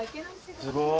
すごい。